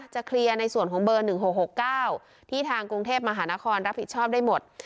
เคลียร์ในส่วนของเบอร์๑๖๖๙ที่ทางกรุงเทพมหานครรับผิดชอบได้หมด